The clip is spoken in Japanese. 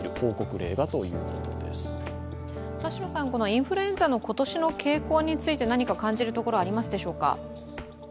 インフルエンザの今年の傾向について、何か感じるところはありますでしょうか？